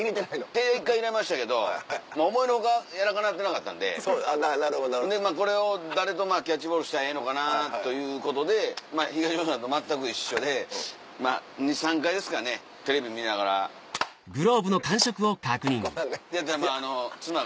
手一回入れましたけど思いの外柔らかなってなかったんでこれを誰とキャッチボールしたらええのかなということで東野さんと全く一緒で２３回ですかねテレビ見ながら。ってやってたら。